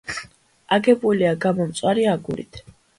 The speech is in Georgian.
აგებულია გამომწვარი აგურით.